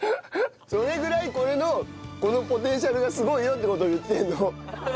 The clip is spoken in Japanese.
それぐらいこれのこのポテンシャルがすごいよって事を言ってるの。